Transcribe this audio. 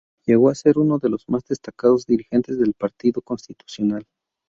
Llegó a ser uno de los más destacados dirigentes del Partido Constitucional.